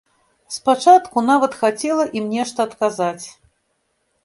Спачатку нават хацела ім нешта адказаць.